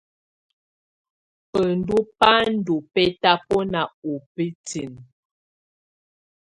Bɛndɔ́ bá ndɔ́ bɛ́tabɔná ú bǝ́tinǝ.